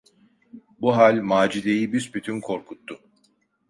Bu hal Macide’yi büsbütün korkuttu.